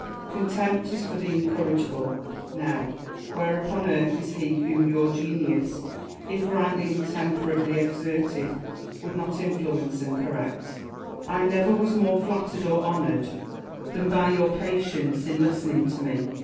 Contempt is for the incorrigible : now, whei'e upon earth is he whom your genius, if rightly and temperately exerted, would not influence and correct 1 I never was more flattered or honoured than by your 2S4 IMA GINAR V CONVERSA TIONS. patience in listening to me.